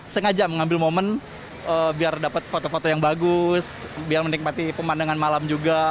sengaja mengambil momen biar dapat foto foto yang bagus biar menikmati pemandangan malam juga